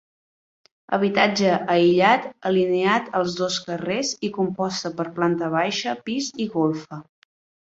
Habitatge aïllat alineat als dos carrers i composta per planta baixa, pis i golfa.